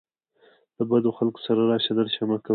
له بدو خلکو سره راشه درشه مه کوه.